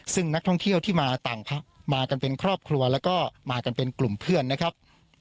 ซึ่งนักท่องเที่ยวที่มาต่างพักมากันเป็นครอบครัวแล้วก็มากันเป็นกลุ่มเพื่อนนะครับ